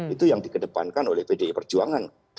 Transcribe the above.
itu yang dikedepankan oleh pdi perjuangan